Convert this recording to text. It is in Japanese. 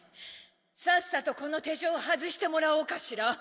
さっさとこの手錠を外してもらおうかしら。